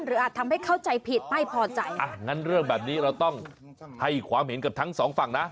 อาจทำให้เข้าใจผิดไม่พอใจอ่ะงั้นเรื่องแบบนี้เราต้องให้ความเห็นกับทั้งสองฝั่งนะ